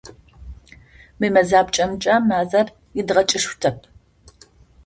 Мы мэзапкӏэмкӏэ мазэр идгъэкӏышъущтэп.